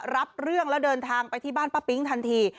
รับเรื่องแล้วเดินทางไปที่บ้านป้าปิ๊งทันที